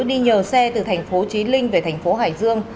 đi nhờ xe từ thành phố trí linh về thành phố hải dương